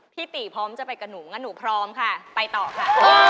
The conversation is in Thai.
พี่ตีพร้อมจะไปกับหนูงั้นหนูพร้อมค่ะไปต่อค่ะ